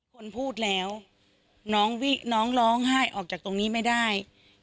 คนพูดแล้วน้องร้องไห้ออกจากตรงนี้ไม่ได้